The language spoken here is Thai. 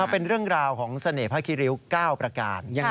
เป็นเรื่องราวของเสน่ห์ผ้าขี้ริ้ว๙ประกาศ